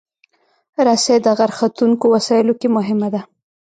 رسۍ د غر ختونکو وسایلو کې مهمه ده.